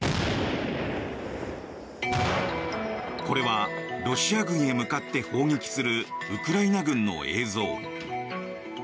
これはロシア軍へ向かって砲撃するウクライナ軍の映像。